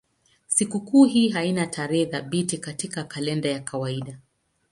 Sikukuu hii haina tarehe thabiti katika kalenda ya kawaida.